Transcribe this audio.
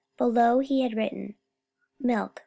Below, he had written: Milk